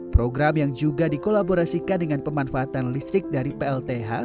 program yang juga dikolaborasikan dengan pemanfaatan listrik dari plth